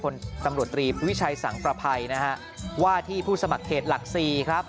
คนตำรวจตรีวิชัยสังประภัยนะฮะว่าที่ผู้สมัครเขตหลักสี่ครับ